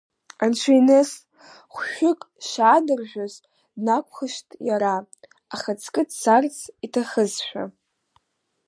Анцәа иныс хәшәык шадыржәыз, днакәшахт иара, ахаҵкы дцарц иҭахызшәа.